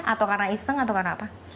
atau karena iseng atau karena apa